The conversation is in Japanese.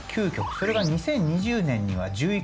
それが２０２０年には１１曲。